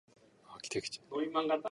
Milan!